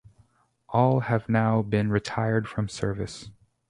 All have now been retired from service.